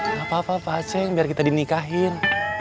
gak apa apa paceng biar kita dinikahin